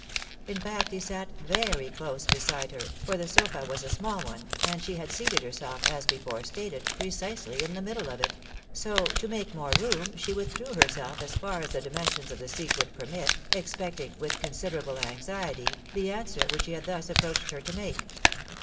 In fact, he sat very close beside her — for the sofa was a small one, and she had seated herself, as before stated, precisely in the middle of it ; so, to make more room, she withdrew herself as 286 THE WIDOW MARRIED. far as the dimensions of the seat would permit, expecting, with considerable anxiety, the answer which he had thus approached her to make.